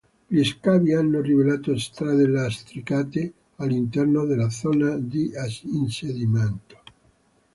Gli scavi hanno rivelato strade lastricate all'interno della zona di insediamento.